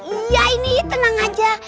iya ini tenang aja